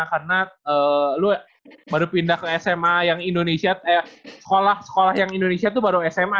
karena lu baru pindah ke sma yang indonesia eh sekolah sekolah yang indonesia tuh baru sma ya